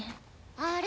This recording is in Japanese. あれ？